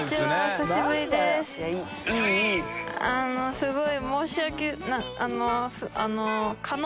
すごい申し訳ない。